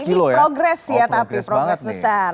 ini progres ya tapi progres besar